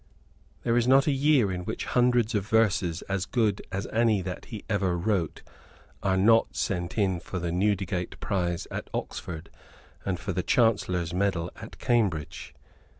There is not a year in which hundreds of verses as good as any that he ever wrote are not sent in for the Newdigate prize at Oxford and for the Chancellor's medal at Cambridge.